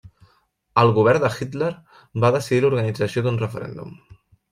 El govern de Hitler va decidir l'organització d'un referèndum.